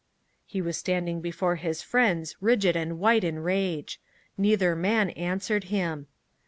He was standing before his friends, rigid and white in rage. Neither man answered him.